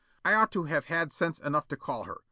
I ought to have had sense enough to call her.